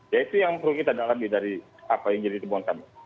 ya itu yang perlu kita dalami dari apa yang jadi temuan kami